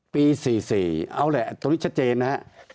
ปี๔๔เอาแหละตรงนี้ชัดเจนนะครับ